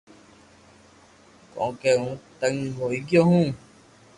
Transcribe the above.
ڪونڪ ھون تنگ ھوئي گيو ھون